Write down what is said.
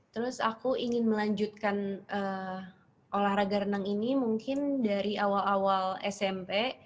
terus aku ingin melanjutkan olahraga renang ini mungkin dari awal awal smp